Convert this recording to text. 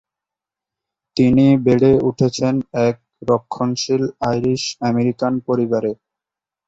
তিনি বেড়ে উঠেছেন এক রক্ষণশীল আইরিশ আমেরিকান পরিবারে।